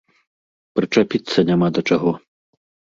Прычапіцца няма да чаго.